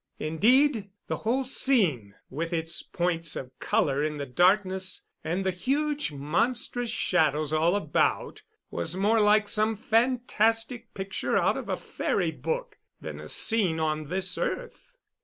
Indeed, the whole scene, with its points of color in the darkness, and the huge monstrous shadows all about, was more like some fantastic picture out of a fairy book than a scene on this earth.